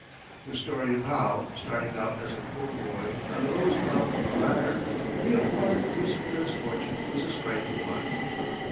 The story of how, starting out as a poor boy, on the lowest round of the ladder, he acquired this immense fortune, is a striking one.